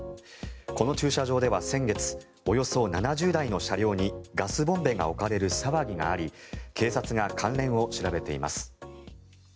この駐車場では先月およそ７０台の車両にガスボンベが置かれる騒ぎがあり警察が関連を調べています。